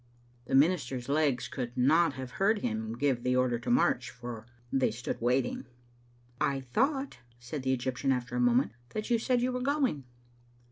The minister's legs could not have heard him give the order to march, for they stood waiting. "I thought," said the Egyptian, after a moment, "that you said you were going."